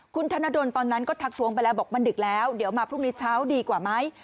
คุณธนดลตอนนั้นก็ทักทวงไปแล้วบอกมันดึกแล้วเดี๋ยวมาพรุ่งนี้เช้าดีกว่าไหม